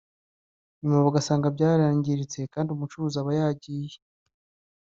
nyuma bagasanga byarangiritse kandi umucuruzi aba yagiye